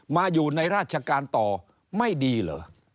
มาอยู่ในราชการต่อไม่ดีเหรอ